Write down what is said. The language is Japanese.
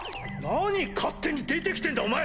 何勝手に出て来てんだお前！